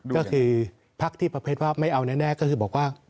ก็คือพักที่ประเภทว่าไม่เอาแน่ก็คือบอกว่า